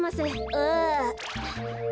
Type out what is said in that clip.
ああ。